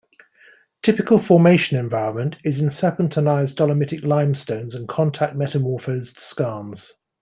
Typical formation environment is in serpentinized dolomitic limestones and contact metamorphosed skarns.